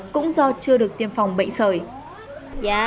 cũng do chưa được tiêm phòng bệnh sởi